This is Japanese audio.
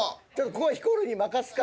ここはヒコロヒーに任すか。